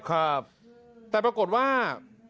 ครับแต่ปรากฏว่า